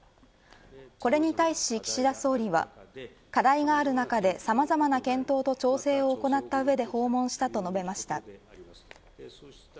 これに対し岸田総理は課題がある中でさまざまな検討と調整を行ったうえで訪問したと述べました。